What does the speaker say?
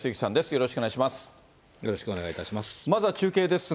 よろしくお願いします。